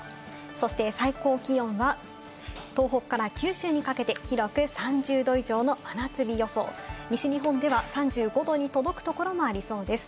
そして最高気温は、東北から九州にかけて、広く３０℃以上の真夏日予想、西日本では３５℃に届くところもありそうです。